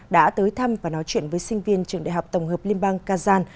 đã tới thăm và nói chuyện với sinh viên trường đại học tổng hợp liên bang kazan